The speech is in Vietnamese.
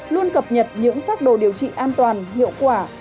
luôn cập nhật những phác đồ điều trị an toàn hiệu quả